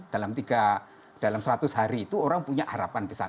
dalam seratus hari itu orang punya harapan besar